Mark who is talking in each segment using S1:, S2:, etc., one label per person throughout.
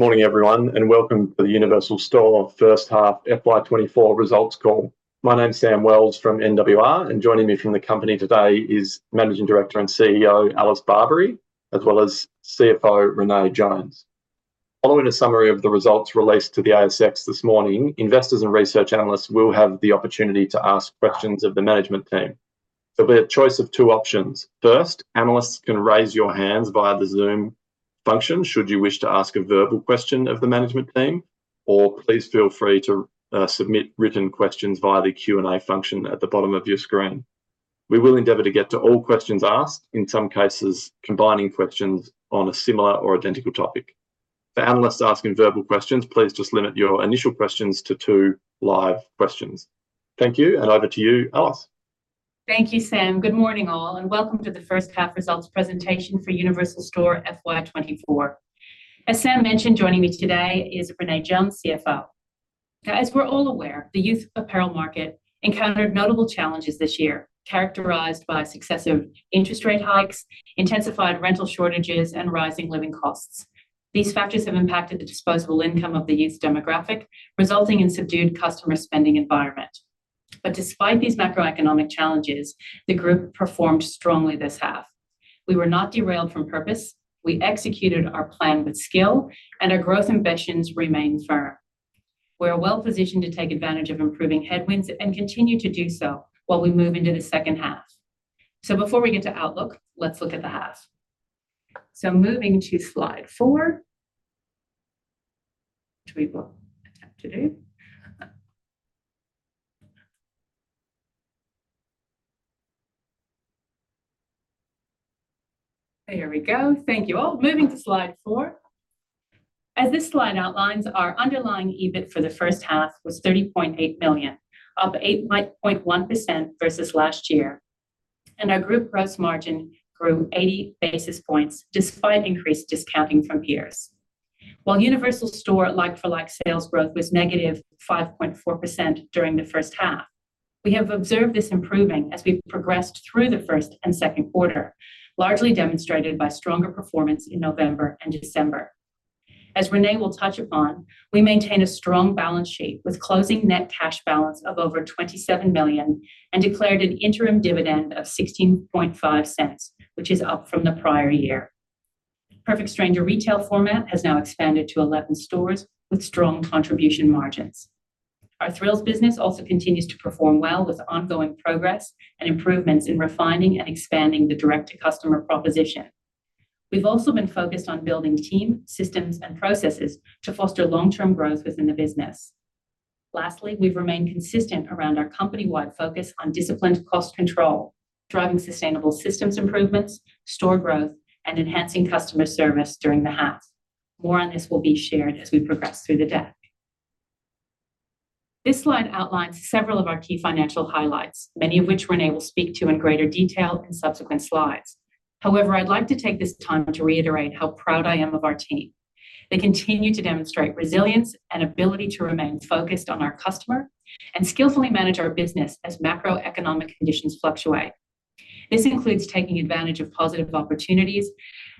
S1: Good morning everyone, and welcome to the Universal Store first-half FY 2024 results call. My name's Sam Wells from NWR, and joining me from the company today is Managing Director and CEO Alice Barbery, as well as CFO Renee Jones. Following a summary of the results released to the ASX this morning, investors and research analysts will have the opportunity to ask questions of the management team. There'll be a choice of two options. First, analysts can raise your hands via the Zoom function should you wish to ask a verbal question of the management team, or please feel free to submit written questions via the Q&A function at the bottom of your screen. We will endeavor to get to all questions asked, in some cases combining questions on a similar or identical topic. For analysts asking verbal questions, please just limit your initial questions to two live questions. Thank you, and over to you, Alice.
S2: Thank you, Sam. Good morning all, and welcome to the first-half results presentation for Universal Store FY 2024. As Sam mentioned, joining me today is Renee Jones, CFO. Now, as we're all aware, the youth apparel market encountered notable challenges this year, characterized by successive interest rate hikes, intensified rental shortages, and rising living costs. These factors have impacted the disposable income of the youth demographic, resulting in a subdued customer spending environment. Despite these macroeconomic challenges, the group performed strongly this half. We were not derailed from purpose. We executed our plan with skill, and our growth ambitions remain firm. We're well-positioned to take advantage of improving headwinds and continue to do so while we move into the second half. Before we get to Outlook, let's look at the half. Moving to slide four, which we will attempt to do. There we go. Thank you all. Moving to slide four. As this slide outlines, our underlying EBIT for the first half was 30.8 million, up 8.1% versus last year, and our group gross margin grew 80 basis points despite increased discounting from peers. While Universal Store like-for-like sales growth was -5.4% during the first half, we have observed this improving as we've progressed through the first and second quarter, largely demonstrated by stronger performance in November and December. As Renee will touch upon, we maintain a strong balance sheet with a closing net cash balance of over 27 million and declared an interim dividend of 0.165, which is up from the prior year. Perfect Stranger retail format has now expanded to 11 stores with strong contribution margins. Our Thrills business also continues to perform well with ongoing progress and improvements in refining and expanding the direct-to-customer proposition. We've also been focused on building team, systems, and processes to foster long-term growth within the business. Lastly, we've remained consistent around our company-wide focus on disciplined cost control, driving sustainable systems improvements, store growth, and enhancing customer service during the half. More on this will be shared as we progress through the deck. This slide outlines several of our key financial highlights, many of which Renee will speak to in greater detail in subsequent slides. However, I'd like to take this time to reiterate how proud I am of our team. They continue to demonstrate resilience and ability to remain focused on our customer and skillfully manage our business as macroeconomic conditions fluctuate. This includes taking advantage of positive opportunities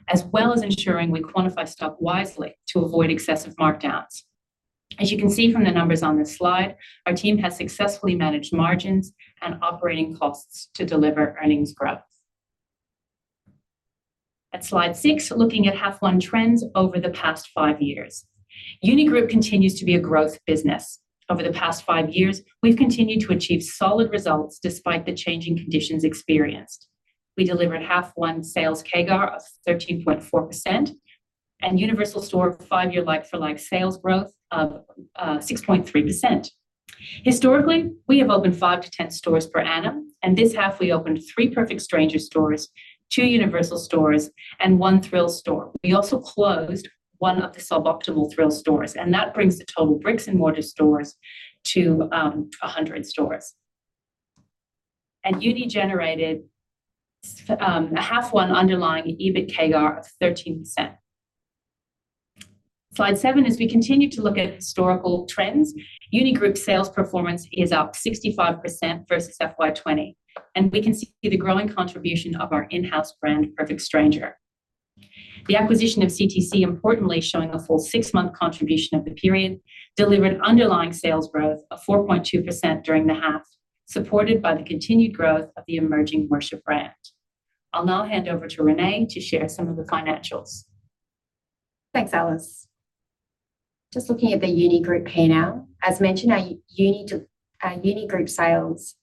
S2: as well as ensuring we quantify stock wisely to avoid excessive markdowns. As you can see from the numbers on this slide, our team has successfully managed margins and operating costs to deliver earnings growth. At slide six, looking at half-one trends over the past five years, Uni Group continues to be a growth business. Over the past five years, we've continued to achieve solid results despite the changing conditions experienced. We delivered half-one sales CAGR of 13.4% and Universal Store five-year like-for-like sales growth of 6.3%. Historically, we have opened five to 10 stores per annum, and this half we opened three Perfect Stranger stores, two Universal stores, and one Thrills store. We also closed one of the suboptimal Thrills stores, and that brings the total bricks-and-mortar stores to 100 stores. Uni generated a half-one underlying EBIT CAGR of 13%. Slide seven, as we continue to look at historical trends, Uni Group's sales performance is up 65% versus FY 2020, and we can see the growing contribution of our in-house brand, Perfect Stranger. The acquisition of CTC, importantly showing a full six-month contribution of the period, delivered underlying sales growth of 4.2% during the half, supported by the continued growth of the emerging Worship brand. I'll now hand over to Renee to share some of the financials.
S3: Thanks, Alice. Just looking at the Uni Group P&L, as mentioned, our Uni Group sales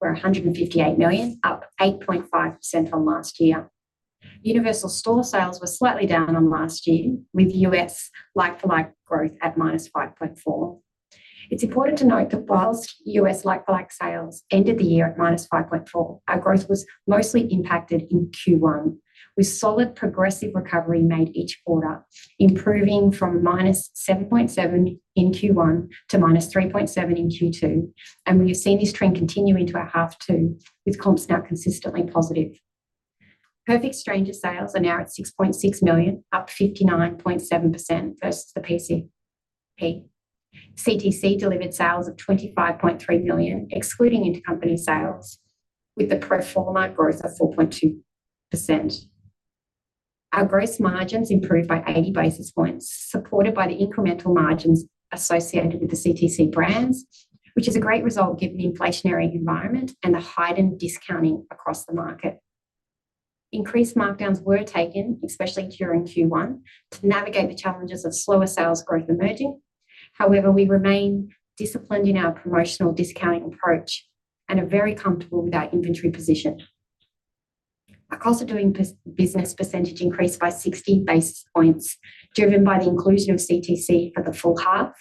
S3: were 158 million, up 8.5% on last year. Universal Store sales were slightly down on last year, with US like-for-like growth at -5.4%. It's important to note that while US like-for-like sales ended the year at -5.4%, our growth was mostly impacted in Q1, with solid progressive recovery made each quarter, improving from -7.7% in Q1 to -3.7% in Q2. We have seen this trend continue into our half two, with comps now consistently positive. Perfect Stranger sales are now at 6.6 million, up 59.7% versus the PCP. CTC delivered sales of 25.3 million, excluding intercompany sales, with the pro forma growth of 4.2%. Our gross margins improved by 80 basis points, supported by the incremental margins associated with the CTC brands, which is a great result given the inflationary environment and the heightened discounting across the market. Increased markdowns were taken, especially during Q1, to navigate the challenges of slower sales growth emerging. However, we remain disciplined in our promotional discounting approach and are very comfortable with our inventory position. Our cost-of-doing business percentage increased by 60 basis points, driven by the inclusion of CTC for the full half.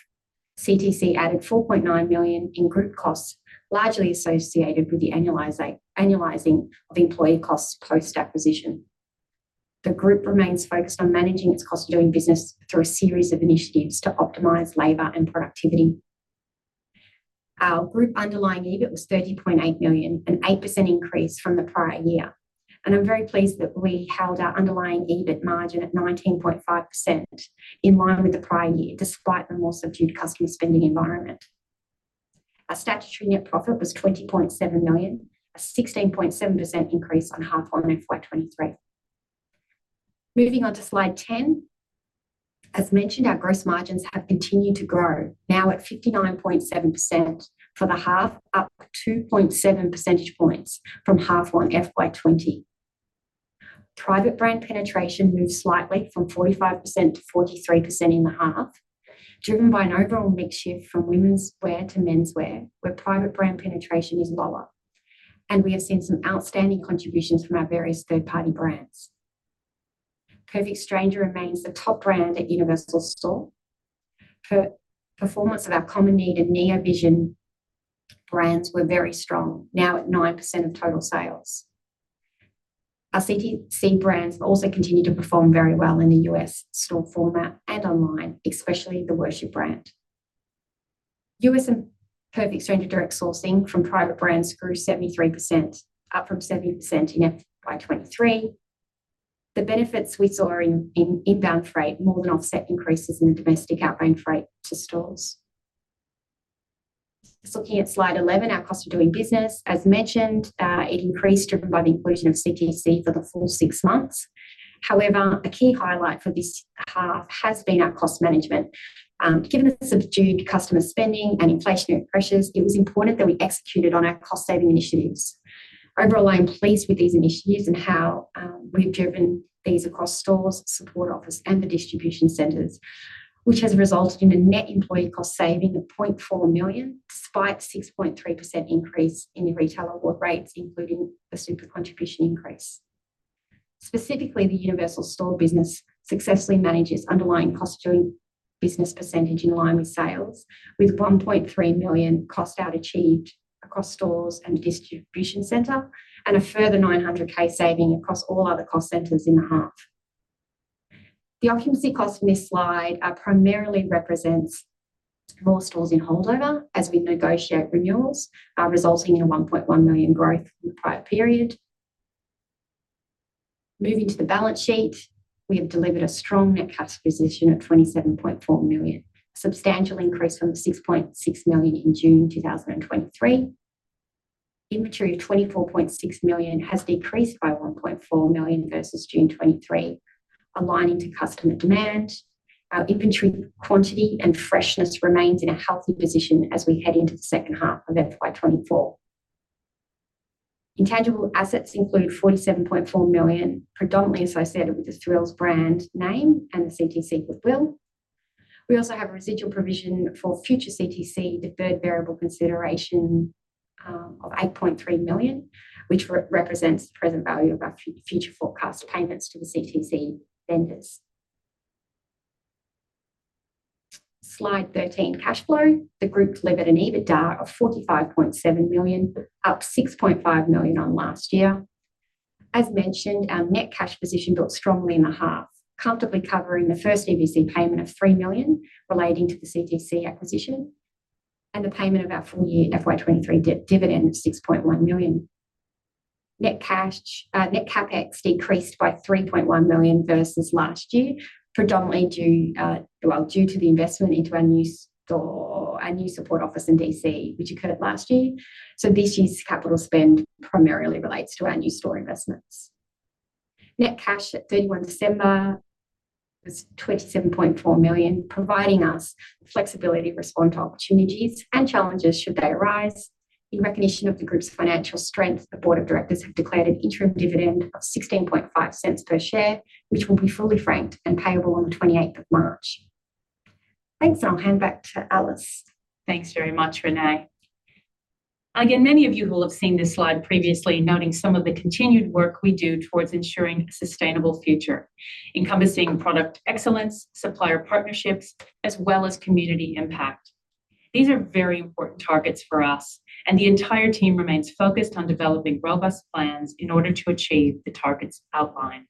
S3: CTC added 4.9 million in group costs, largely associated with the annualizing of employee costs post-acquisition. The group remains focused on managing its cost-of-doing business through a series of initiatives to optimize labor and productivity. Our group underlying EBIT was 30.8 million, an 8% increase from the prior year. I'm very pleased that we held our underlying EBIT margin at 19.5% in line with the prior year, despite the more subdued customer spending environment. Our statutory net profit was 20.7 million, a 16.7% increase on half-one FY 2023. Moving on to slide 10. As mentioned, our gross margins have continued to grow, now at 59.7% for the half, up 2.7 percentage points from half one FY 2020. Private brand penetration moved slightly from 45%-43% in the half, driven by an overall mix shift from women's wear to menswear, where private brand penetration is lower. We have seen some outstanding contributions from our various third-party brands. Perfect Stranger remains the top brand at Universal Store. Performance of our Common Need and Neovision brands were very strong, now at 9% of total sales. Our CTC brands also continue to perform very well in the US store format and online, especially the Worship brand. US and Perfect Stranger direct sourcing from private brands grew 73%, up from 70% in FY 2023. The benefits we saw are in inbound freight, more than offset increases in the domestic outbound freight to stores. Just looking at slide 11, our cost-of-doing business, as mentioned, it increased, driven by the inclusion of CTC for the full six months. However, a key highlight for this half has been our cost management. Given the subdued customer spending and inflationary pressures, it was important that we executed on our cost-saving initiatives. Overall, I am pleased with these initiatives and how we've driven these across stores, support office, and the distribution centers, which has resulted in a net employee cost saving of 0.4 million, despite a 6.3% increase in the retail award rates, including a super contribution increase. Specifically, the Universal Store business successfully manages underlying cost-of-doing business percentage in line with sales, with 1.3 million cost out achieved across stores and distribution center and a further 900,000 saving across all other cost centres in the half. The occupancy costs in this slide primarily represent more stores in holdover as we negotiate renewals, resulting in a 1.1 million growth from the prior period. Moving to the balance sheet, we have delivered a strong net cash position of 27.4 million, a substantial increase from 6.6 million in June 2023. Inventory of 24.6 million has decreased by 1.4 million versus June 2023, aligning to customer demand. Our inventory quantity and freshness remain in a healthy position as we head into the second half of FY 2024. Intangible assets include 47.4 million, predominantly associated with the Thrills brand name and the CTC Goodwill. We also have a residual provision for future CTC deferred variable consideration of 8.3 million, which represents the present value of our future forecast payments to the CTC vendors. Slide 13, cash flow. The group delivered an EBITDA of 45.7 million, up 6.5 million on last year. As mentioned, our net cash position built strongly in the half, comfortably covering the first EBC payment of 3 million relating to the CTC acquisition and the payment of our full-year FY 2023 dividend of 6.1 million. Net CapEx decreased by 3.1 million versus last year, predominantly due to the investment into our new support office in DC, which occurred last year. So this year's capital spend primarily relates to our new store investments. Net cash at 31 December was 27.4 million, providing us flexibility to respond to opportunities and challenges should they arise. In recognition of the group's financial strength, the board of directors have declared an interim dividend of 0.165 per share, which will be fully franked and payable on the 28th of March. Thanks, and I'll hand back to Alice.
S2: Thanks very much, Renee. Again, many of you who will have seen this slide previously are noting some of the continued work we do towards ensuring a sustainable future, encompassing product excellence, supplier partnerships, as well as community impact. These are very important targets for us, and the entire team remains focused on developing robust plans in order to achieve the targets outlined.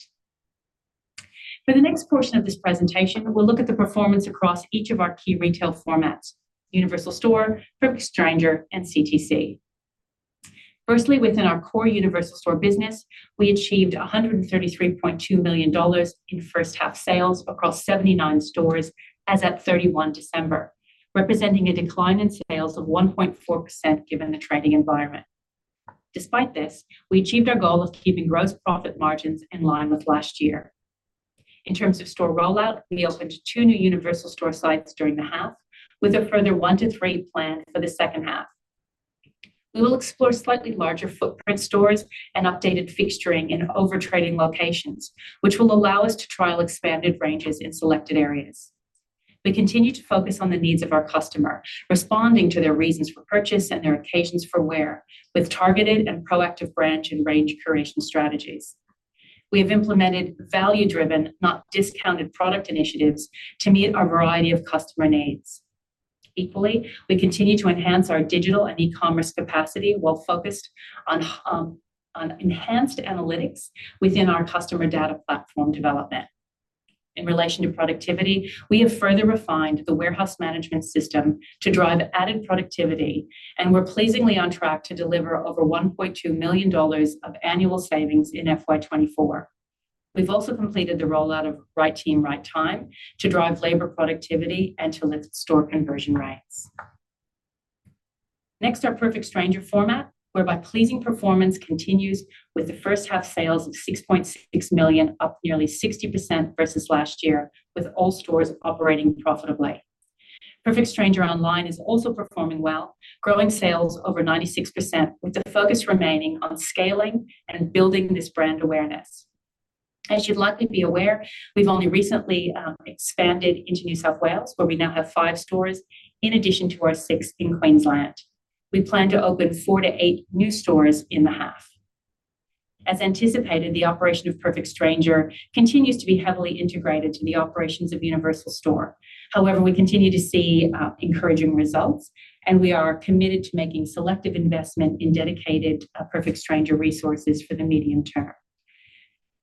S2: For the next portion of this presentation, we'll look at the performance across each of our key retail formats: Universal Store, Perfect Stranger, and CTC. Firstly, within our core Universal Store business, we achieved 133.2 million dollars in first-half sales across 79 stores as of 31 December, representing a decline in sales of 1.4% given the trading environment. Despite this, we achieved our goal of keeping gross profit margins in line with last year. In terms of store rollout, we opened two new Universal Store sites during the half, with a further one to three planned for the second half. We will explore slightly larger footprint stores and updated fixturing in overtrading locations, which will allow us to trial expanded ranges in selected areas. We continue to focus on the needs of our customer, responding to their reasons for purchase and their occasions for wear, with targeted and proactive branch and range creation strategies. We have implemented value-driven, not discounted product initiatives to meet a variety of customer needs. Equally, we continue to enhance our digital and e-commerce capacity while focused on enhanced analytics within our customer data platform development. In relation to productivity, we have further refined the warehouse management system to drive added productivity, and we're pleasingly on track to deliver over 1.2 million dollars of annual savings in FY 2024. We've also completed the rollout of Right Team, Right Time to drive labor productivity and to lift store conversion rates. Next are Perfect Stranger format, whereby pleasing performance continues with the first-half sales of 6.6 million, up nearly 60% versus last year, with all stores operating profitably. Perfect Stranger Online is also performing well, growing sales over 96%, with the focus remaining on scaling and building this brand awareness. As you'd likely be aware, we've only recently expanded into New South Wales, where we now have five stores in addition to our six in Queensland. We plan to open four to eight new stores in the half. As anticipated, the operation of Perfect Stranger continues to be heavily integrated to the operations of Universal Store. However, we continue to see encouraging results, and we are committed to making selective investment in dedicated Perfect Stranger resources for the medium term.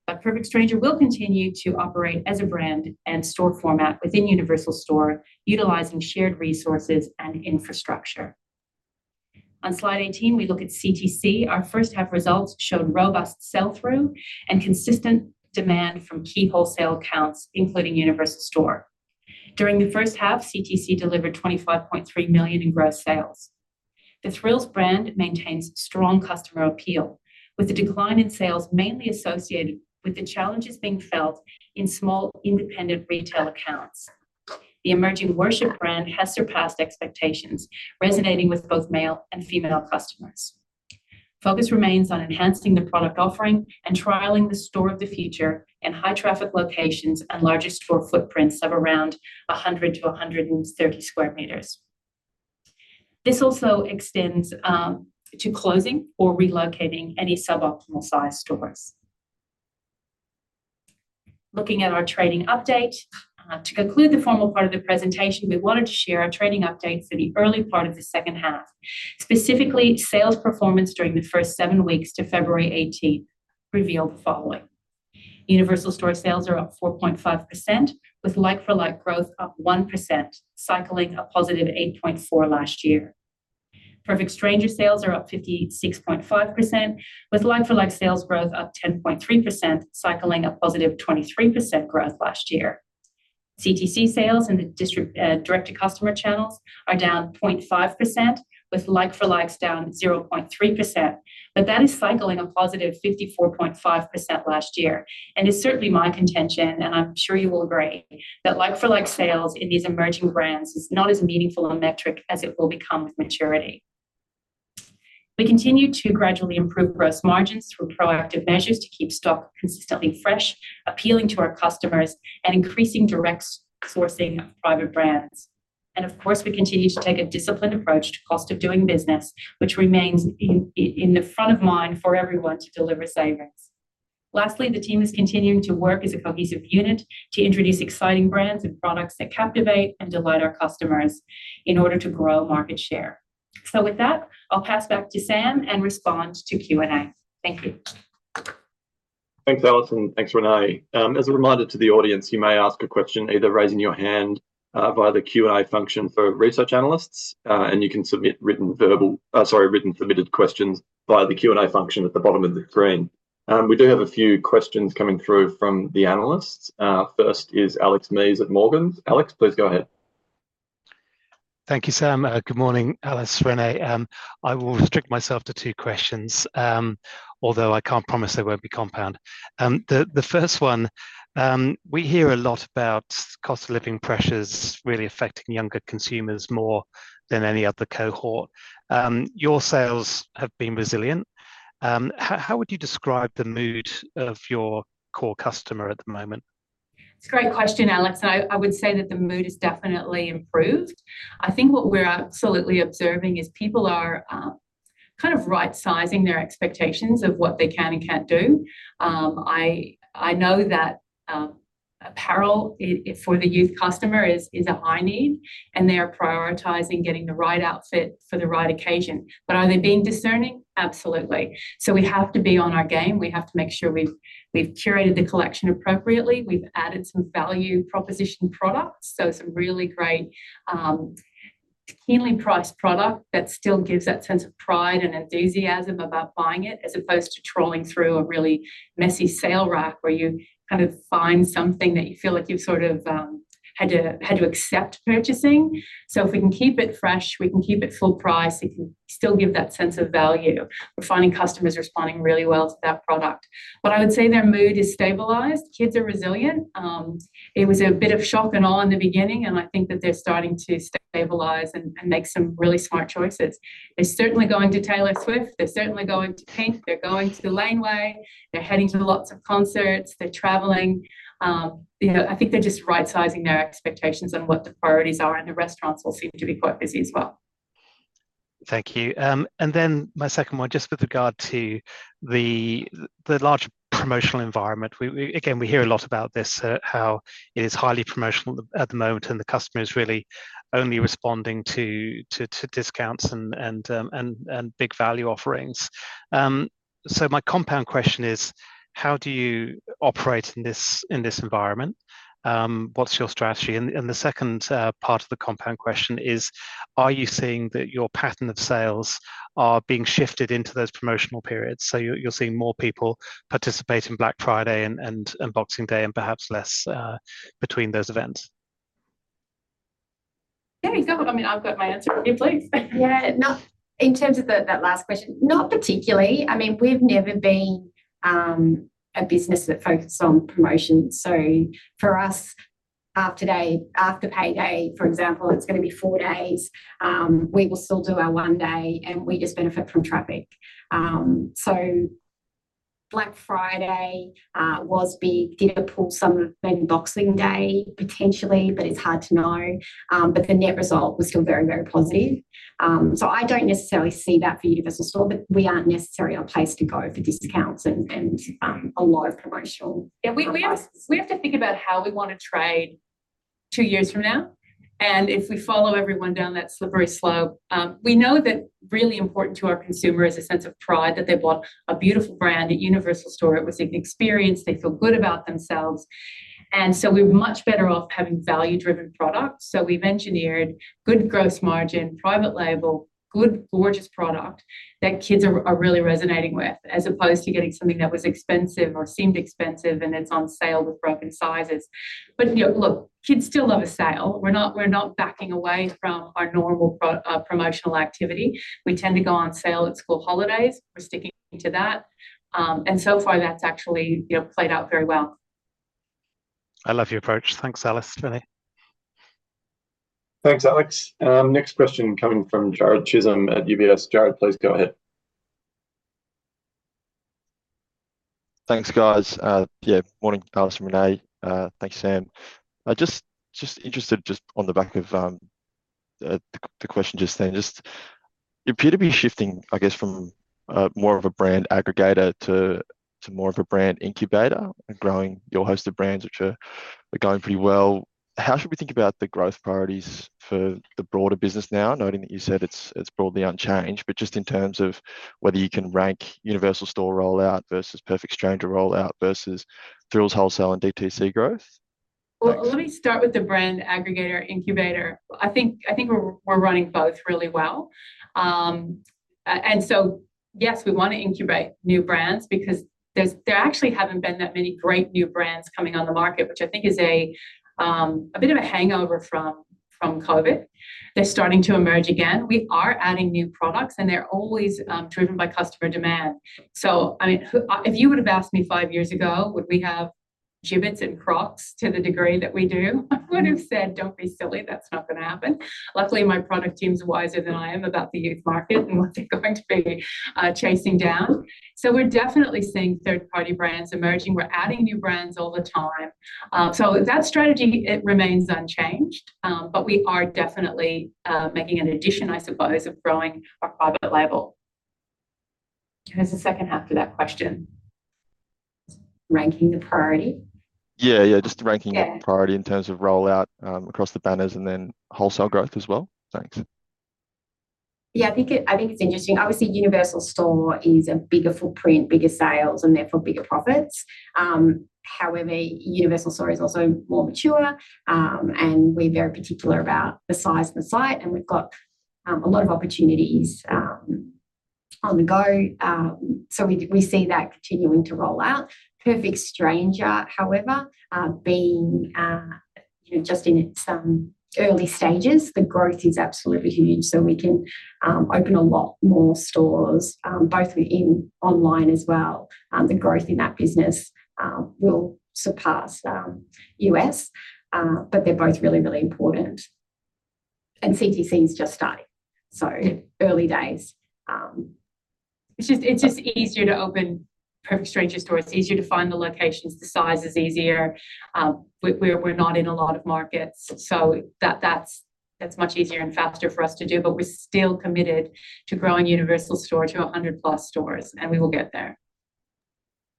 S2: But Perfect Stranger will continue to operate as a brand and store format within Universal Store, utilizing shared resources and infrastructure. On slide 18, we look at CTC. Our first-half results showed robust sell-through and consistent demand from key wholesale counts, including Universal Store. During the first half, CTC delivered 25.3 million in gross sales. The Thrills brand maintains strong customer appeal, with a decline in sales mainly associated with the challenges being felt in small independent retail accounts. The emerging Worship brand has surpassed expectations, resonating with both male and female customers. Focus remains on enhancing the product offering and trialing the store of the future in high-traffic locations and largest store footprints of around 100-130 sq m. This also extends to closing or relocating any suboptimal-sized stores. Looking at our trading update, to conclude the formal part of the presentation, we wanted to share our trading update for the early part of the second half. Specifically, sales performance during the first seven weeks to February 18 revealed the following: Universal Store sales are up 4.5%, with like-for-like growth up 1%, cycling a positive 8.4% last year. Perfect Stranger sales are up 56.5%, with like-for-like sales growth up 10.3%, cycling a positive 23% growth last year. CTC sales in the direct-to-customer channels are down 0.5%, with like-for-likes down 0.3%. But that is cycling a positive 54.5% last year. And it's certainly my contention, and I'm sure you will agree, that like-for-like sales in these emerging brands is not as meaningful a metric as it will become with maturity. We continue to gradually improve gross margins through proactive measures to keep stock consistently fresh, appealing to our customers, and increasing direct sourcing of private brands. Of course, we continue to take a disciplined approach to cost-of-doing business, which remains in the front of mind for everyone to deliver savings. Lastly, the team is continuing to work as a cohesive unit to introduce exciting brands and products that captivate and delight our customers in order to grow market share. With that, I'll pass back to Sam and respond to Q&A. Thank you.
S1: Thanks, Alice, and thanks, Renee. As a reminder to the audience, you may ask a question either raising your hand via the Q&A function for research analysts, and you can submit written submitted questions via the Q&A function at the bottom of the screen. We do have a few questions coming through from the analysts. First is Alex Mees at Morgans. Alex, please go ahead.
S4: Thank you, Sam. Good morning, Alice, Renee. I will restrict myself to two questions, although I can't promise they won't be compound. The first one, we hear a lot about cost-of-living pressures really affecting younger consumers more than any other cohort. Your sales have been resilient. How would you describe the mood of your core customer at the moment?
S3: It's a great question, Alex. I would say that the mood is definitely improved. I think what we're absolutely observing is people are kind of right-sizing their expectations of what they can and can't do. I know that apparel for the youth customer is a high need, and they are prioritising getting the right outfit for the right occasion. But are they being discerning? Absolutely. So we have to be on our game. We have to make sure we've curated the collection appropriately. We've added some value proposition products, so some really great keenly priced product that still gives that sense of pride and enthusiasm about buying it, as opposed to trawling through a really messy sale rack where you kind of find something that you feel like you've sort of had to accept purchasing. So if we can keep it fresh, we can keep it full price, it can still give that sense of value. We're finding customers responding really well to that product. But I would say their mood is stabilized. Kids are resilient. It was a bit of shock and awe in the beginning, and I think that they're starting to stabilize and make some really smart choices. They're certainly going to Taylor Swift. They're certainly going to Pink. They're going to the Laneway. They're heading to lots of concerts. They're traveling. I think they're just right-sizing their expectations on what the priorities are. And the restaurants all seem to be quite busy as well.
S4: Thank you. And then my second one, just with regard to the larger promotional environment. Again, we hear a lot about this, how it is highly promotional at the moment, and the customer is really only responding to discounts and big value offerings. So my compound question is, how do you operate in this environment? What's your strategy? And the second part of the compound question is, are you seeing that your pattern of sales are being shifted into those promotional periods? So you're seeing more people participate in Black Friday and Boxing Day, and perhaps less between those events?
S2: Yeah, you go. I mean, I've got my answer for you, please.
S3: Yeah, in terms of that last question, not particularly. I mean, we've never been a business that focuses on promotion. So for us, after payday, for example, it's going to be four days. We will still do our one day, and we just benefit from traffic. So Black Friday was big, did pull some of maybe Boxing Day, potentially, but it's hard to know. But the net result was still very, very positive. So I don't necessarily see that for Universal Store, but we aren't necessarily a place to go for discounts and a lot of promotional.
S2: Yeah, we have to think about how we want to trade two years from now. And if we follow everyone down that slippery slope, we know that really important to our consumer is a sense of pride that they bought a beautiful brand at Universal Store. It was an experience. They feel good about themselves. And so we're much better off having value-driven products. So we've engineered good gross margin, private label, good, gorgeous product that kids are really resonating with, as opposed to getting something that was expensive or seemed expensive, and it's on sale with broken sizes. But look, kids still love a sale. We're not backing away from our normal promotional activity. We tend to go on sale at school holidays. We're sticking to that. And so far, that's actually played out very well.
S4: I love your approach. Thanks, Alice, Renee.
S1: Thanks, Alex. Next question coming from Jarrod Chisholm at UBS. Jared, please go ahead.
S5: Thanks, guys. Yeah, morning, Alice and Renee. Thanks, Sam. Just interested just on the back of the question just then. You appear to be shifting, I guess, from more of a brand aggregator to more of a brand incubator and growing your host of brands, which are going pretty well. How should we think about the growth priorities for the broader business now, noting that you said it's broadly unchanged, but just in terms of whether you can rank Universal Store rollout versus Perfect Stranger rollout versus Thrills wholesale and DTC growth?
S2: Well, let me start with the brand aggregator incubator. I think we're running both really well. And so yes, we want to incubate new brands because there actually haven't been that many great new brands coming on the market, which I think is a bit of a hangover from COVID. They're starting to emerge again. We are adding new products, and they're always driven by customer demand. So I mean, if you would have asked me five years ago, would we have Jibbitz and Crocs to the degree that we do? I would have said, "Don't be silly. That's not going to happen." Luckily, my product team's wiser than I am about the youth market and what they're going to be chasing down. So we're definitely seeing third-party brands emerging. We're adding new brands all the time. So that strategy, it remains unchanged. But we are definitely making an addition, I suppose, of growing our private label. Who has a second half to that question?
S3: Ranking the priority?
S5: Yeah, yeah, just ramping up the priority in terms of rollout across the banners and then wholesale growth as well. Thanks.
S3: Yeah, I think it's interesting. Obviously, Universal Store is a bigger footprint, bigger sales, and therefore bigger profits. However, Universal Store is also more mature, and we're very particular about the size of the site. And we've got a lot of opportunities on the go. So we see that continuing to rollout. Perfect Stranger, however, being just in its early stages, the growth is absolutely huge. So we can open a lot more stores, both online as well. The growth in that business will surpass US. But they're both really, really important. And CTC is just starting. So early days.
S2: It's just easier to open Perfect Stranger stores. It's easier to find the locations. The size is easier. We're not in a lot of markets. So that's much easier and faster for us to do. But we're still committed to growing Universal Store to 100+ stores, and we will get there.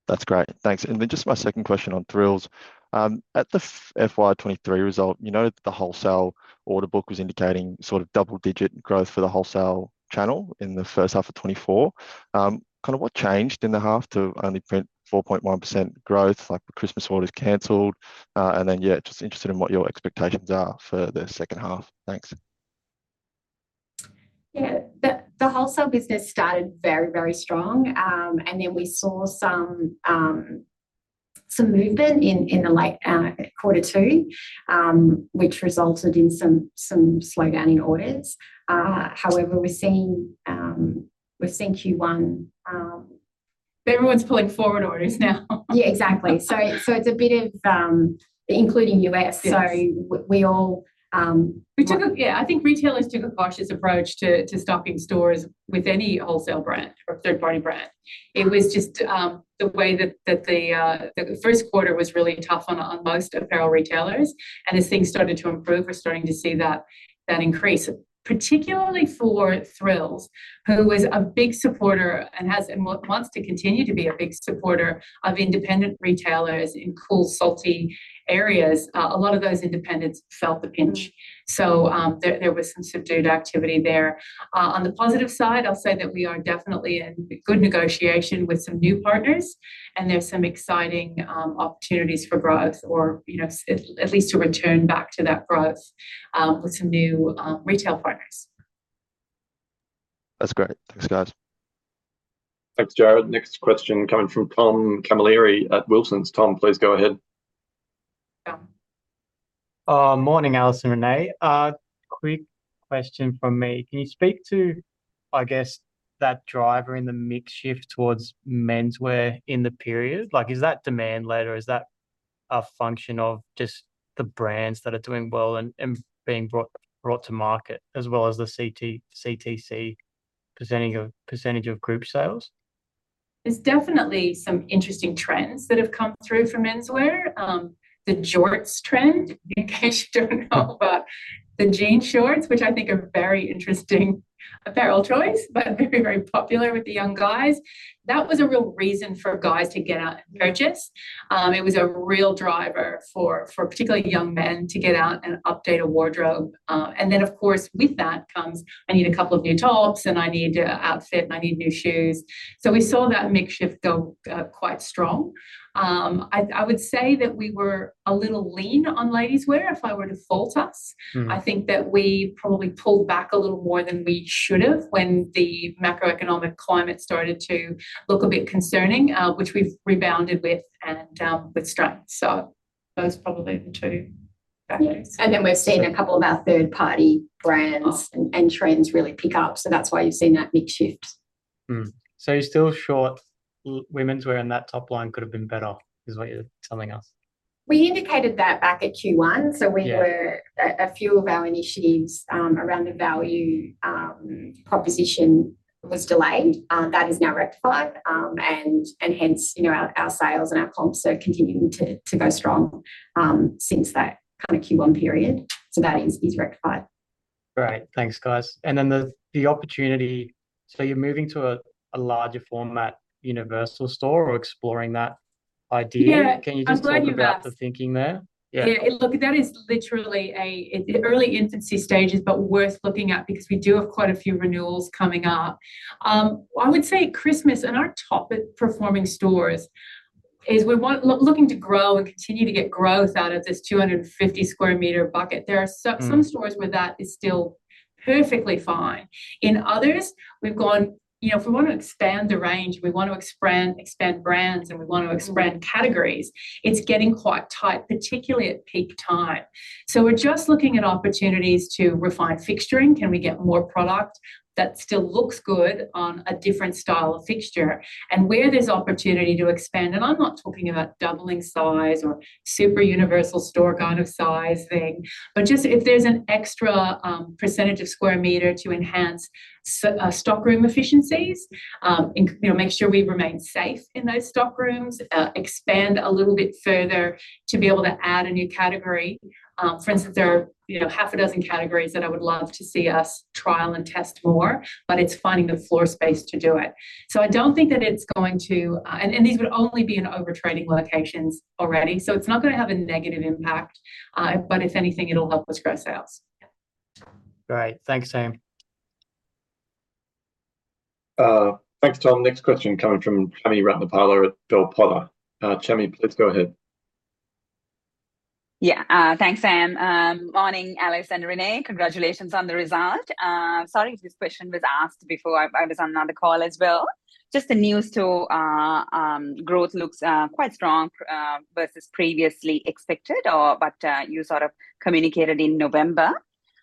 S5: That's great. Thanks. And then just my second question on Thrills. At the FY 2023 result, you noted that the wholesale order book was indicating sort of double-digit growth for the wholesale channel in the first half of 2024. Kind of what changed in the half to only print 4.1% growth? Christmas orders cancelled. And then, yeah, just interested in what your expectations are for the second half. Thanks.
S3: Yeah, the wholesale business started very, very strong. And then we saw some movement in the late quarter two, which resulted in some slowdown in orders. However, we're seeing Q1.
S2: But everyone's pulling forward orders now.
S3: Yeah, exactly. So it's a bit of including U.S. So we all.
S2: Yeah, I think retailers took a cautious approach to stocking stores with any wholesale brand or third-party brand. It was just the way that the first quarter was really tough on most apparel retailers. And as things started to improve, we're starting to see that increase, particularly for Thrills, who was a big supporter and wants to continue to be a big supporter of independent retailers in cool, salty areas. A lot of those independents felt the pinch. So there was some subdued activity there. On the positive side, I'll say that we are definitely in good negotiation with some new partners. And there's some exciting opportunities for growth, or at least to return back to that growth with some new retail partners.
S5: That's great. Thanks, guys.
S1: Thanks, Jared. Next question coming from Tom Camilleri at Wilsons. Tom, please go ahead.
S2: Tom.
S6: Morning, Alice and Renee. Quick question from me. Can you speak to, I guess, that driver in the mix shift towards menswear in the period? Is that demand-led, or is that a function of just the brands that are doing well and being brought to market, as well as the CTC percentage of group sales?
S2: There's definitely some interesting trends that have come through for menswear. The jorts trend, in case you don't know about the jean shorts, which I think are very interesting apparel choice, but very, very popular with the young guys. That was a real reason for guys to get out and purchase. It was a real driver for particularly young men to get out and update a wardrobe. And then, of course, with that comes, "I need a couple of new tops, and I need an outfit, and I need new shoes." So we saw that mix shift go quite strong. I would say that we were a little lean on ladies' wear if I were to fault us. I think that we probably pulled back a little more than we should have when the macroeconomic climate started to look a bit concerning, which we've rebounded with and with strength. So those are probably the two factors.
S3: We've seen a couple of our third-party brands and trends really pick up. That's why you've seen that mix shift.
S6: You're still short. Womenswear in that top line could have been better, is what you're telling us.
S3: We indicated that back at Q1. So a few of our initiatives around the value proposition was delayed. That is now rectified. And hence, our sales and our comps are continuing to go strong since that kind of Q1 period. So that is rectified.
S6: Great. Thanks, guys. And then the opportunity so you're moving to a larger format Universal Store or exploring that idea. Can you just talk about the thinking there?
S2: Yeah, look, that is literally early infancy stages, but worth looking at because we do have quite a few renewals coming up. I would say Christmas, and our top-performing stores is we're looking to grow and continue to get growth out of this 250 sq m bucket. There are some stores where that is still perfectly fine. In others, we've gone if we want to expand the range, we want to expand brands, and we want to expand categories, it's getting quite tight, particularly at peak time. So we're just looking at opportunities to refine fixturing. Can we get more product that still looks good on a different style of fixture? Where there's opportunity to expand and I'm not talking about doubling size or super Universal Store kind of size thing, but just if there's an extra percentage of square meter to enhance stockroom efficiencies, make sure we remain safe in those stockrooms, expand a little bit further to be able to add a new category. For instance, there are half a dozen categories that I would love to see us trial and test more, but it's finding the floor space to do it. So I don't think that it's going to and these would only be in overtrading locations already. So it's not going to have a negative impact. But if anything, it'll help us grow sales.
S6: Great. Thanks, Sam.
S1: Thanks, Tom. Next question coming from Chami Ratnapala at Bell Potter. Chami, please go ahead.
S7: Yeah, thanks, Sam. Morning, Alice and Renee. Congratulations on the result. Sorry if this question was asked before. I was on another call as well. Just the new store growth looks quite strong versus previously expected, but you sort of communicated in November.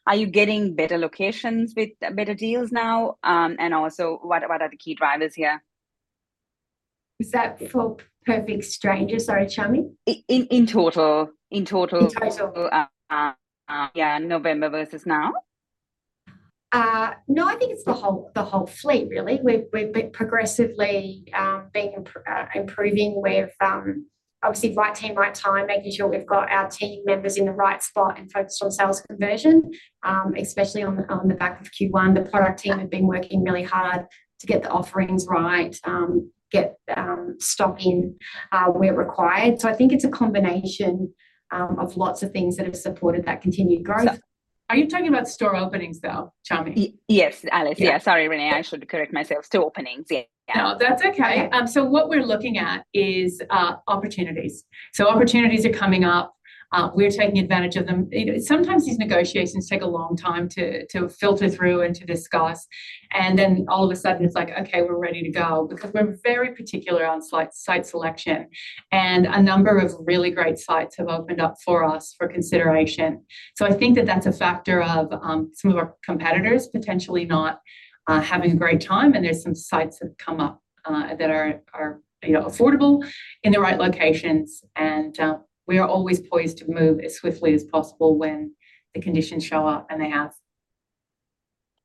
S7: Are you getting better locations with better deals now? And also, what are the key drivers here?
S3: Is that for Perfect Stranger? Sorry, Chami?
S7: In total. In total.
S3: In total.
S7: Yeah, November versus now?
S3: No, I think it's the whole fleet, really. We've been progressively improving. We have, obviously, Right Team, Right Time, making sure we've got our team members in the right spot and focused on sales conversion, especially on the back of Q1. The product team have been working really hard to get the offerings right, get stock in where required. So I think it's a combination of lots of things that have supported that continued growth.
S2: Are you talking about store openings, though, Chami?
S7: Yes, Alice. Yeah, sorry, Renee. I should correct myself. Store openings. Yeah.
S2: No, that's okay. So what we're looking at is opportunities. So opportunities are coming up. We're taking advantage of them. Sometimes these negotiations take a long time to filter through and to discuss. And then all of a sudden, it's like, "Okay, we're ready to go," because we're very particular on site selection. And a number of really great sites have opened up for us for consideration. So I think that that's a factor of some of our competitors potentially not having a great time. And there's some sites that have come up that are affordable in the right locations. And we are always poised to move as swiftly as possible when the conditions show up and they have.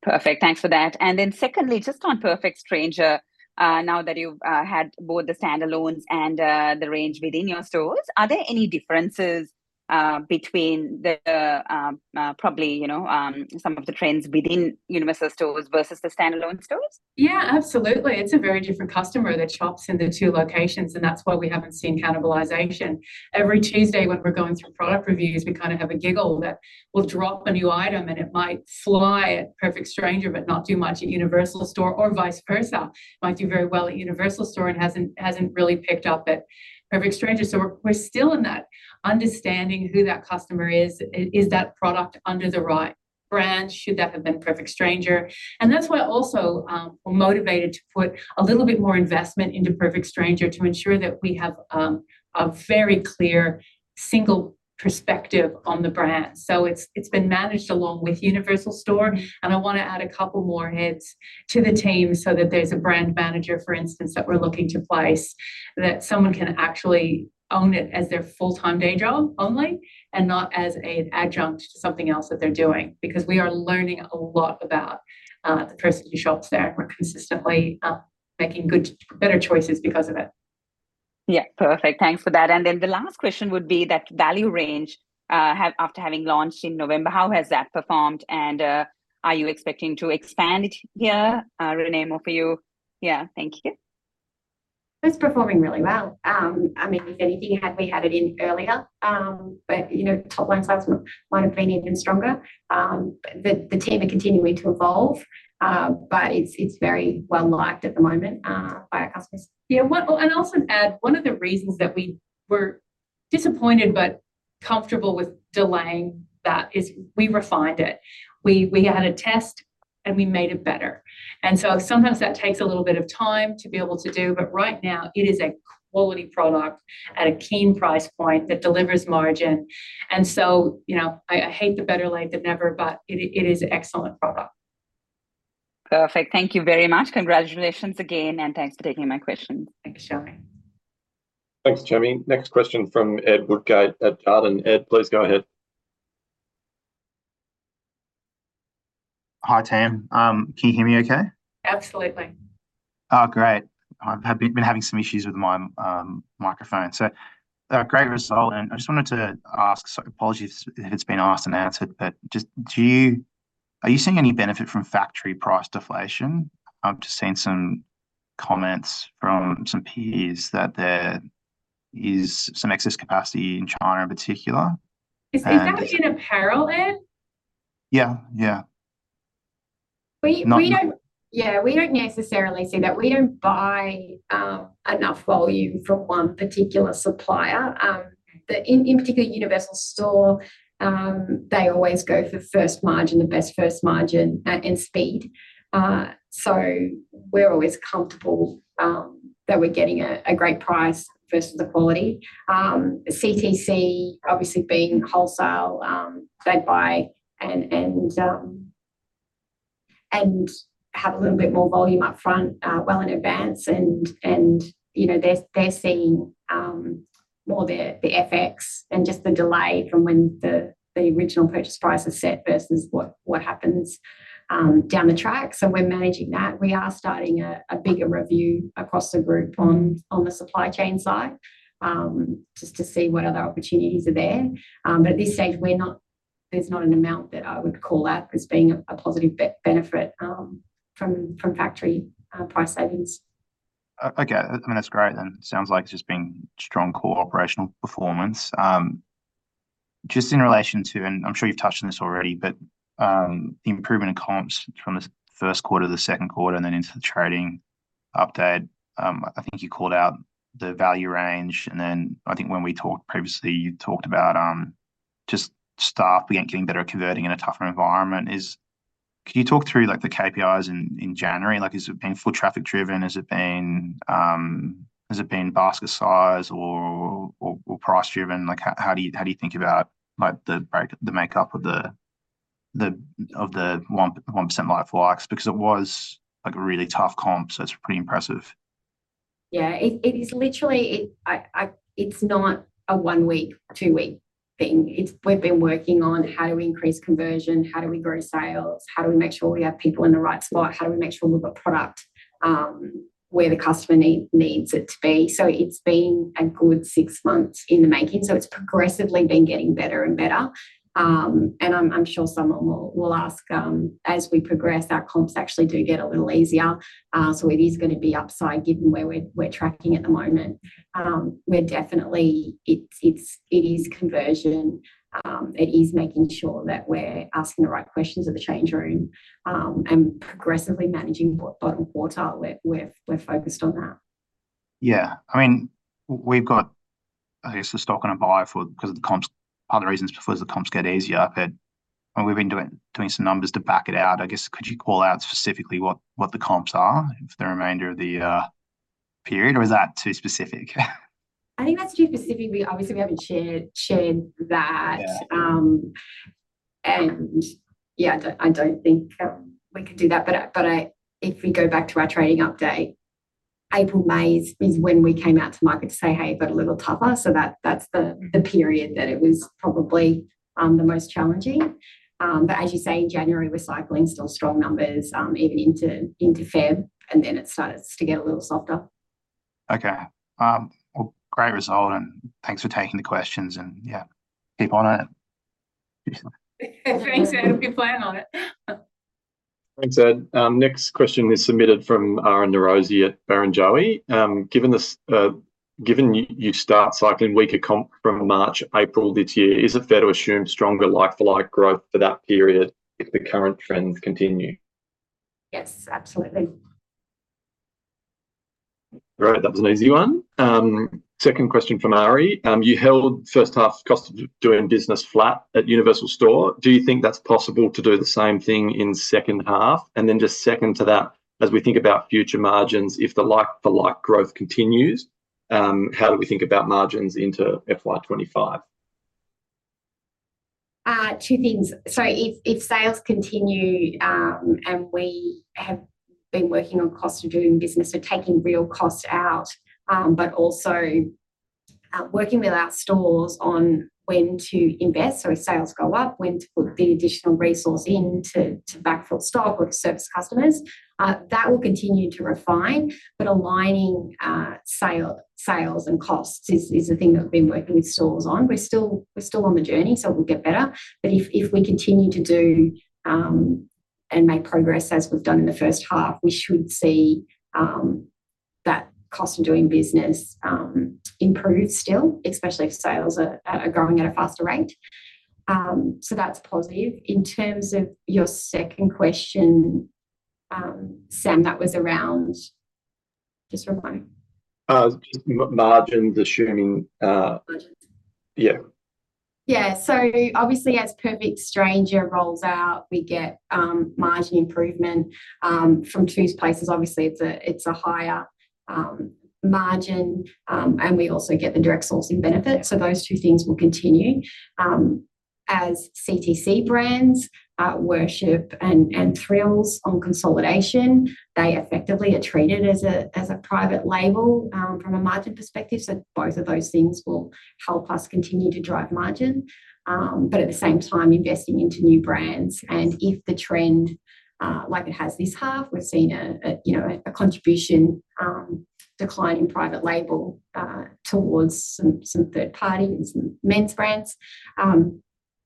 S7: Perfect. Thanks for that. And then secondly, just on Perfect Stranger, now that you've had both the standalones and the range within your stores, are there any differences between the probably some of the trends within Universal Stores versus the standalone stores?
S2: Yeah, absolutely. It's a very different customer. They're shops in the two locations. And that's why we haven't seen cannibalization. Every Tuesday, when we're going through product reviews, we kind of have a giggle that we'll drop a new item, and it might fly at Perfect Stranger but not do much at Universal Store, or vice versa. It might do very well at Universal Store and hasn't really picked up at Perfect Stranger. So we're still in that understanding who that customer is. Is that product under the right brand? Should that have been Perfect Stranger? And that's why also we're motivated to put a little bit more investment into Perfect Stranger to ensure that we have a very clear single perspective on the brand. So it's been managed along with Universal Store. I want to add a couple more heads to the team so that there's a brand manager, for instance, that we're looking to place that someone can actually own it as their full-time day job only and not as an adjunct to something else that they're doing because we are learning a lot about the person who shops there. We're consistently making better choices because of it.
S7: Yeah, perfect. Thanks for that. And then the last question would be that value range, after having launched in November, how has that performed? And are you expecting to expand it here? Renee, more for you. Yeah, thank you.
S3: It's performing really well. I mean, if anything, we had it in earlier. But top-line sales might have been even stronger. The team are continuing to evolve. But it's very well-liked at the moment by our customers.
S2: Yeah, and I'll just add one of the reasons that we were disappointed but comfortable with delaying that is we refined it. We had a test, and we made it better. And so sometimes that takes a little bit of time to be able to do. But right now, it is a quality product at a keen price point that delivers margin. And so I hate the better late than never, but it is an excellent product.
S7: Perfect. Thank you very much. Congratulations again, and thanks for taking my questions.
S3: Thanks, Chami.
S1: Thanks, Chami. Next question from Ed Woodgate at Jarden. Ed, please go ahead.
S8: Hi, Team. Can you hear me okay?
S2: Absolutely.
S8: Oh, great. I've been having some issues with my microphone. So great result. And I just wanted to ask—sorry, apologies if it's been asked and answered. But are you seeing any benefit from factory price deflation? I've just seen some comments from some peers that there is some excess capacity in China in particular.
S2: Is that in Apparel, Ed?
S8: Yeah, yeah.
S3: Yeah, we don't necessarily see that. We don't buy enough volume from one particular supplier. In particular, Universal Store, they always go for first margin, the best first margin, and speed. So we're always comfortable that we're getting a great price versus the quality. CTC, obviously being wholesale, they buy and have a little bit more volume upfront well in advance. And they're seeing more of the FX and just the delay from when the original purchase price is set versus what happens down the track. So we're managing that. We are starting a bigger review across the group on the supply chain side just to see what other opportunities are there. But at this stage, there's not an amount that I would call that as being a positive benefit from factory price savings.
S8: Okay. I mean, that's great then. Sounds like it's just been strong core operational performance. Just in relation to and I'm sure you've touched on this already, but the improvement in comps from the first quarter to the second quarter and then into the trading update, I think you called out the value range. And then I think when we talked previously, you talked about just staff getting better at converting in a tougher environment. Could you talk through the KPIs in January? Has it been full traffic-driven? Has it been basket size or price-driven? How do you think about the makeup of the 1% LFLs? Because it was a really tough comp, so it's pretty impressive.
S3: Yeah, it is literally. It's not a one week, two week thing. We've been working on how do we increase conversion? How do we grow sales? How do we make sure we have people in the right spot? How do we make sure we've got product where the customer needs it to be? So it's been a good 6 months in the making. So it's progressively been getting better and better. And I'm sure someone will ask, as we progress, our comps actually do get a little easier. So it is going to be upside given where we're tracking at the moment. But definitely, it is conversion. It is making sure that we're asking the right questions at the change room and progressively managing bottom quarter. We're focused on that.
S8: Yeah. I mean, we've got, I guess, the stock on a buy because of the comps, other reasons because the comps get easier. And we've been doing some numbers to back it out. I guess, could you call out specifically what the comps are for the remainder of the period? Or is that too specific?
S3: I think that's too specific. Obviously, we haven't shared that. And yeah, I don't think we can do that. But if we go back to our trading update, April, May is when we came out to market to say, "Hey, you've got a little tougher." So that's the period that it was probably the most challenging. But as you say, in January, we're cycling still strong numbers even into February, and then it starts to get a little softer.
S8: Okay. Well, great result. Thanks for taking the questions. Yeah, keep on it.
S3: Thanks, Ed. We'll plan on it.
S1: Thanks, Ed. Next question is submitted from Aryan Norozi at Barrenjoey. Given you start cycling weaker comp from March, April this year, is it fair to assume stronger like-for-like growth for that period if the current trends continue?
S3: Yes, absolutely.
S1: Great. That was an easy one. Second question from Ari. You held first-half cost of doing business flat at Universal Store. Do you think that's possible to do the same thing in second half? And then just second to that, as we think about future margins, if the like-for-like growth continues, how do we think about margins into FY 2025?
S3: Two things. So if sales continue and we have been working on cost of doing business or taking real cost out but also working with our stores on when to invest so if sales go up, when to put the additional resource in to backfill stock or to service customers, that will continue to refine. But aligning sales and costs is the thing that we've been working with stores on. We're still on the journey, so it will get better. But if we continue to do and make progress as we've done in the first half, we should see that cost of doing business improve still, especially if sales are growing at a faster rate. So that's positive. In terms of your second question, Sam, that was around just remind me.
S1: Margins, assuming.
S3: Margins.
S1: Yeah.
S3: Yeah. So obviously, as Perfect Stranger rolls out, we get margin improvement from two places. Obviously, it's a higher margin. And we also get the direct sourcing benefit. So those two things will continue. As CTC brands, Worship, and Thrills on consolidation, they effectively are treated as a private label from a margin perspective. So both of those things will help us continue to drive margin. But at the same time, investing into new brands. And if the trend, like it has this half, we've seen a contribution decline in private label towards some third-party and some men's brands.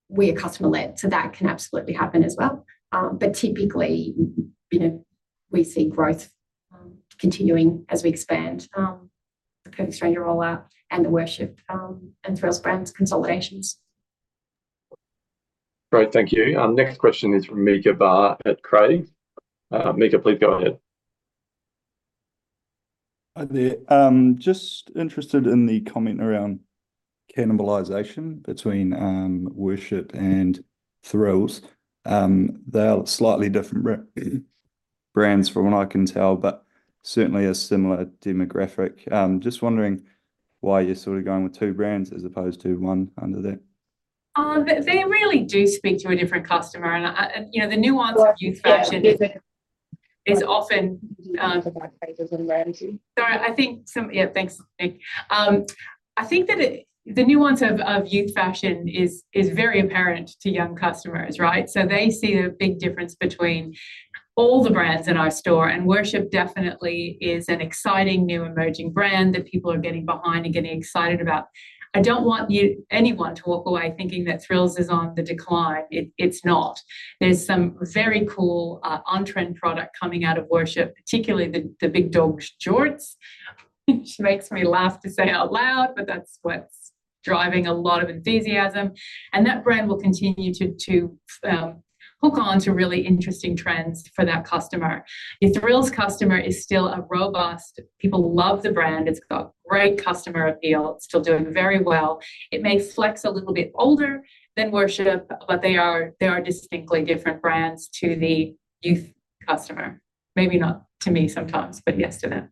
S3: We are customer-led, so that can absolutely happen as well. But typically, we see growth continuing as we expand the Perfect Stranger rollout and the Worship and Thrills brands consolidations.
S1: Great. Thank you. Next question is from at. Mika, please go ahead.
S9: Hi there. Just interested in the comment around cannibalization between Worship and Thrills. They are slightly different brands from what I can tell, but certainly a similar demographic. Just wondering why you're sort of going with two brands as opposed to one under that.
S2: They really do speak to a different customer. The nuance of youth fashion is often.
S3: I think the and rarity.
S2: Sorry. Yeah, thanks. I think that the nuance of youth fashion is very apparent to young customers, right? So they see the big difference between all the brands in our store. And Worship definitely is an exciting new emerging brand that people are getting behind and getting excited about. I don't want anyone to walk away thinking that Thrills is on the decline. It's not. There's some very cool on-trend product coming out of Worship, particularly the Big Dawg jorts, which makes me laugh to say out loud, but that's what's driving a lot of enthusiasm. And that brand will continue to hook on to really interesting trends for that customer. Your Thrills customer is still a robust people love the brand. It's got great customer appeal. It's still doing very well. It may flex a little bit older than Worship, but they are distinctly different brands to the youth customer. Maybe not to me sometimes, but yes to them.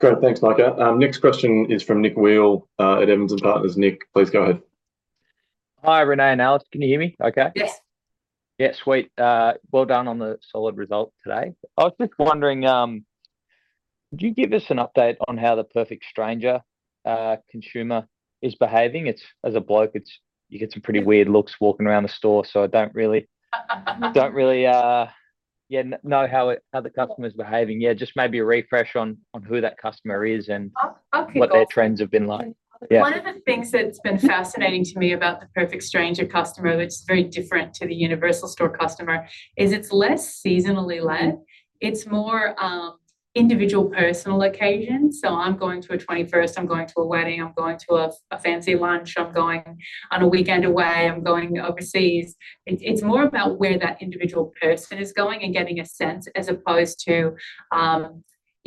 S1: Great. Thanks, Mika. Next question is from at Evans & Partners. Nick, please go ahead.
S10: Hi, Renee and Alice. Can you hear me okay?
S3: Yes.
S10: Yes. Well done on the solid result today. I was just wondering, could you give us an update on how the Perfect Stranger consumer is behaving? As a bloke, you get some pretty weird looks walking around the store. So I don't really, yeah, know how the customer is behaving. Yeah, just maybe a refresh on who that customer is and what their trends have been like.
S2: One of the things that's been fascinating to me about the Perfect Stranger customer, which is very different to the Universal Store customer, is it's less seasonally led. It's more individual personal occasions. So I'm going to a 21st. I'm going to a wedding. I'm going to a fancy lunch. I'm going on a weekend away. I'm going overseas. It's more about where that individual person is going and getting a sense as opposed to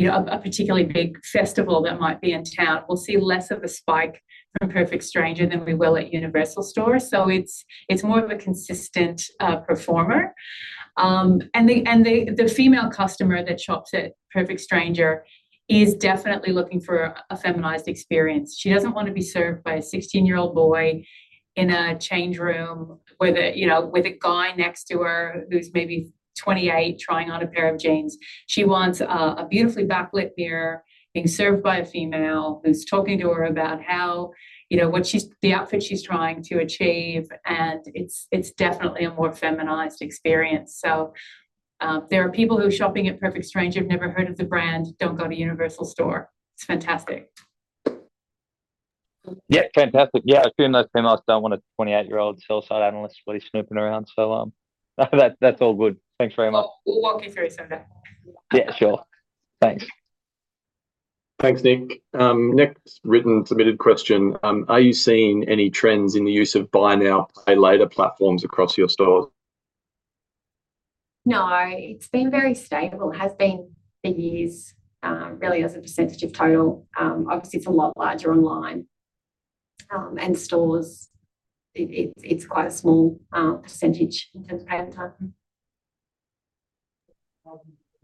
S2: a particularly big festival that might be in town. We'll see less of a spike from Perfect Stranger than we will at Universal Store. So it's more of a consistent performer. And the female customer that shops at Perfect Stranger is definitely looking for a feminized experience. She doesn't want to be served by a 16-year-old boy in a change room with a guy next to her who's maybe 28 trying on a pair of jeans. She wants a beautifully backlit mirror being served by a female who's talking to her about what the outfit she's trying to achieve. It's definitely a more feminized experience. So there are people who are shopping at Perfect Stranger, have never heard of the brand, don't go to Universal Store. It's fantastic.
S10: Yeah, fantastic. Yeah, as soon as I see them last time, I want a 28-year-old high school analyst buddy snooping around. So that's all good. Thanks very much.
S2: We'll walk you through some of that.
S10: Yeah, sure. Thanks.
S1: Thanks, Nick. Next written submitted question. Are you seeing any trends in the use of buy now, pay later platforms across your stores?
S3: No, it's been very stable. It has been for years, really, as a percentage of total. Obviously, it's a lot larger online. Stores, it's quite a small percentage in terms of payment time.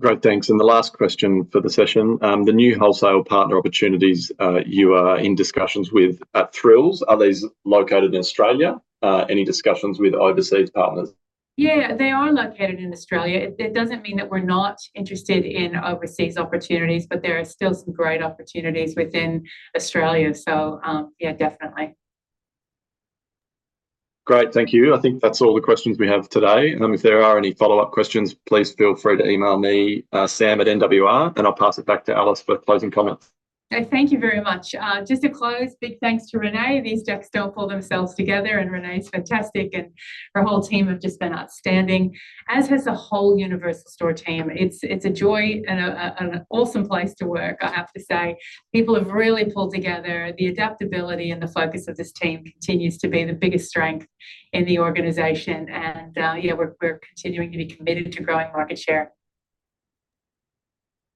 S1: Great. Thanks. The last question for the session. The new wholesale partner opportunities you are in discussions with at Thrills, are these located in Australia? Any discussions with overseas partners?
S2: Yeah, they are located in Australia. It doesn't mean that we're not interested in overseas opportunities, but there are still some great opportunities within Australia. So yeah, definitely.
S1: Great. Thank you. I think that's all the questions we have today. If there are any follow-up questions, please feel free to email me, Sam, at NWR. I'll pass it back to Alice for closing comments.
S2: Thank you very much. Just to close, big thanks to Renee. These decks don't pull themselves together. Renee's fantastic. Her whole team has just been outstanding, as has the whole Universal Store team. It's a joy and an awesome place to work, I have to say. People have really pulled together. The adaptability and the focus of this team continues to be the biggest strength in the organization. Yeah, we're continuing to be committed to growing market share.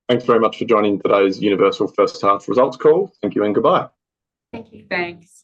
S1: Thanks very much for joining today's Universal first-half results call. Thank you, and goodbye.
S3: Thank you.
S2: Thanks.